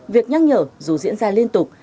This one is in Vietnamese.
việc nhắc nhở dù diễn ra liên tục